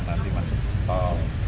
nanti masuk kental